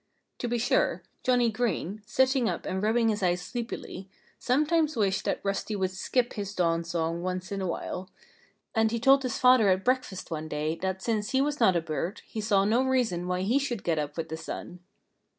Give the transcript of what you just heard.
To be sure, Johnnie Green sitting up and rubbing his eyes sleepily sometimes wished that Rusty would skip his dawn song once in a while. And he told his father at breakfast one day that since he was not a bird, he saw no reason why he should get up with the sun.